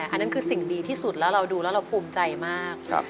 อันนั้นคือสิ่งดีที่สุดแล้วเราดูแล้วเราภูมิใจมาก